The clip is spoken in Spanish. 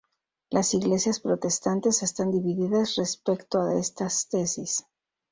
Las Iglesias protestantes están divididas respecto a estas tesis.